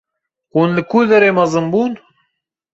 Hûn li ku derê mezin bûn?